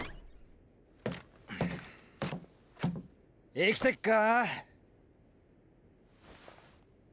生きてっかー？